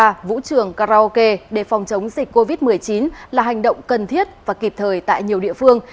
và vũ trường karaoke để phòng chống dịch covid một mươi chín là hành động cần thiết và kịp thời tại nhiều địa phương